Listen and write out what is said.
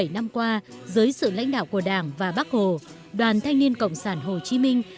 tám mươi bảy năm qua dưới sự lãnh đạo của đảng và bắc hồ đoàn thanh niên cộng sản hồ chí minh